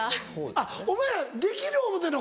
あっお前らできる思うてんの？